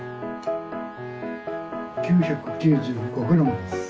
９９５グラムです。